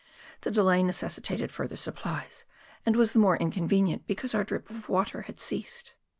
The delay necessitated further supplies, and was the more inconvenient because our drip of water had ceased.